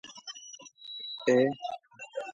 قەتار سەعات دووی پاش نیوەشەو دەڕۆیشت